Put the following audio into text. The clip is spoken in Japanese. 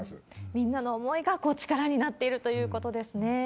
みんなの思いが力になっているということですね。